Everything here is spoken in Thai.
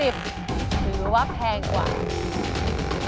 ถูกกว่าสีบ